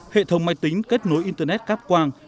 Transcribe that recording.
hệ thống máy tính kết nối internet cáp quang